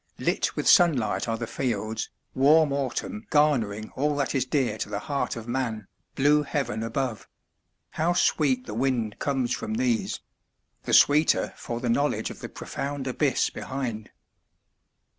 Lit with sunlight are the fields, warm autumn garnering all that is dear to the heart of man, blue heaven above how sweet the wind comes from these! the sweeter for the knowledge of the profound abyss behind.